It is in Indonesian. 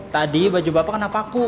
tadi baju bapak kenapa aku